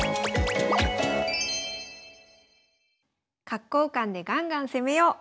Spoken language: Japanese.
角交換でガンガン攻めよう。